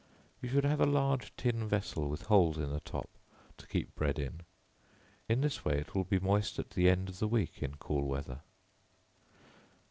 You should have a large tin vessel with holes in the top, to keep bread in; in this way, it will be moist at the end of the week in cool weather.